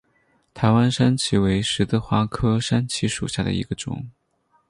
台湾山荠为十字花科山荠属下的一个种。